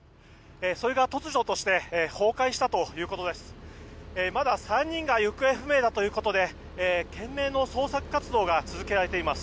それが突如として崩壊したということです。